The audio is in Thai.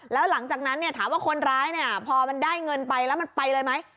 แล้วหลังจากนั้นเนี่ยถามว่าคนร้ายเนี่ยพอมันได้เงินไปแล้วมันไปเลยไหม